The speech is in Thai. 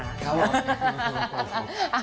ครับผม